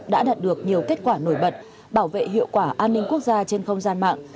đã đạt được nhiều kết quả nổi bật bảo vệ hiệu quả an ninh quốc gia trên không gian mạng